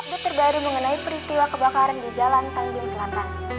update terbaru mengenai peristiwa kebakaran di jalan tanjung selatan